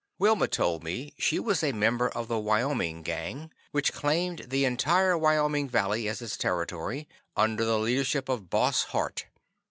] Wilma told me she was a member of the Wyoming Gang, which claimed the entire Wyoming Valley as its territory, under the leadership of Boss Hart.